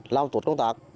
làm tổ chức công tác